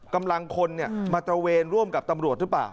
กำลังคนมาตระเวนร่วมกับตำรวจหรือเปล่า